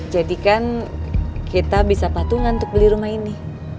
jadi kan kita bisa patungan untuk beli rumah ini